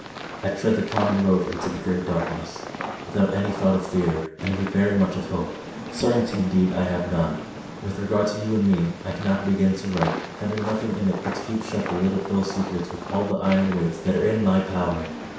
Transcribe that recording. I tread the common road into the great darkness, without any thought of fear, and with very much of hope. Certainty indeed I have none. With regard to you and me I cannot begin to write; having nothing for it but to keep shut the lid of those secrets with all the iron weights that are in my power.